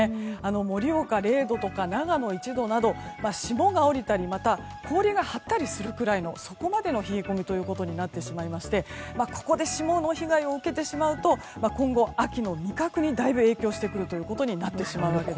盛岡、０度とか長野、１度など霜が降りたりまた、氷が張ったりするくらいの冷え込みになってしまいましてここで霜の被害を受けてしまうと秋の味覚にだいぶ影響してくるということになってしまうわけです。